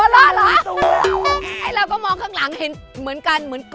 เราก็มองข้างหลังเห็นเหมือนกัน